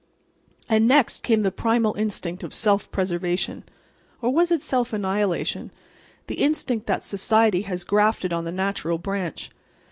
And next came the primal instinct of self preservation—or was it self annihilation, the instinct that society has grafted on the natural branch?